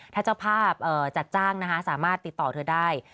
ถ้าเจ้าภาพจัดจ้างนะคะสามารถติดต่อเธอได้